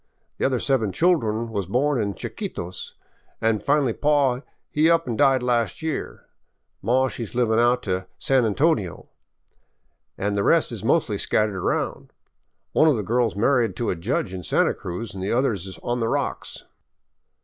The other seven children was born in Chiquitos, an' finally paw he up an' died last year. Maw she 's livin' out to San Antonio, an' the rest is mostly scattered around. One of the girl 's married to a judge in Santa Cruz an' the others is on the rocks."